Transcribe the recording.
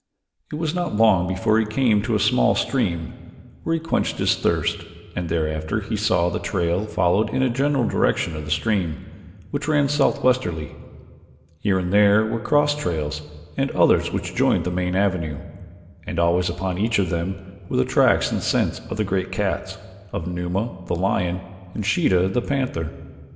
It was not long before he came to a small stream, where he quenched his thirst, and thereafter he saw that the trail followed in the general direction of the stream, which ran southwesterly. Here and there were cross trails and others which joined the main avenue, and always upon each of them were the tracks and scent of the great cats, of Numa, the lion, and Sheeta, the panther.